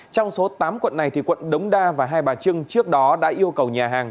trong số tám quận này quận đống đa và hai bà trưng trước đó đã yêu cầu nhà hàng